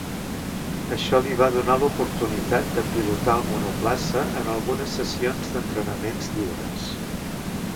Això li va donar l'oportunitat de pilotar el monoplaça en algunes sessions d'entrenaments lliures.